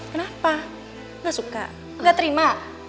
kenapa nggak suka gak terima